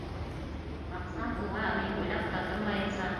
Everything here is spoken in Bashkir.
Аҡсам булһа, мин уйлап та тормайынса...